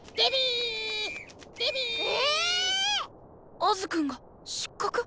アズくんが失格。